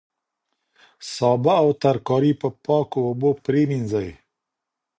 سابه او ترکاري په پاکو اوبو پریمنځئ.